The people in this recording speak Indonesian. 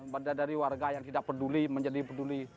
bada dari warga yang tidak peduli menjadi peduli